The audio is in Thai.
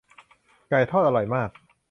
ไก่ทอดอร่อยมาก